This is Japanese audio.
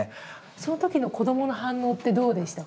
その時の子どもの反応ってどうでしたか？